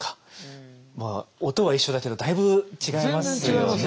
まあ音は一緒だけどだいぶ違いますよね。